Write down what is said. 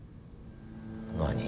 何？